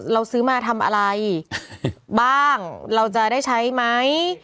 เราซื้อมาทำอะไรบ้างเราจะได้ใช้ไหม